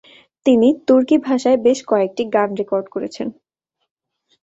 তিনি তুর্কি ভাষায় বেশ কয়েকটি গান রেকর্ড করেছেন।